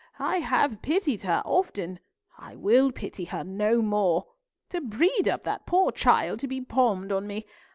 I have pitied her often; I will pity her no more! To breed up that poor child to be palmed on me!